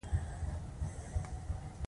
ولې زه ستا لپاره یوه ښه مېرمن نه یم؟